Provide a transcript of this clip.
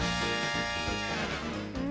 うん！